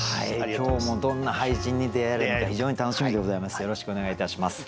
今日もどんな俳人に出会えるのか非常に楽しみでございます。